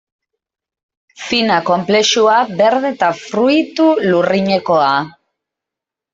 Fina, konplexua, berde eta fruitu lurrinekoa...